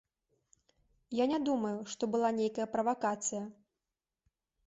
Я не думаю, што была нейкая правакацыя.